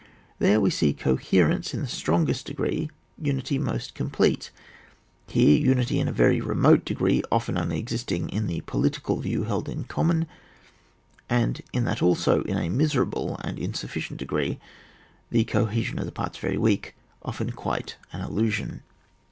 There we see coherence in the strongest degree, imity most complete ; here unity in a very remote degree often only exist ing in the political view held in common, and in that also in a miserable and ia Bufflcient degree, the cohesion of parts mostly very weak, often quite an illu sion.